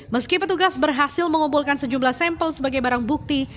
meski petugas berhasil mengumpulkan sejumlah sampel sebagai barang bukti